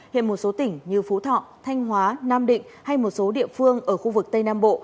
hiện một số tỉnh như phú thọ thanh hóa nam định hay một số địa phương ở khu vực tây nam bộ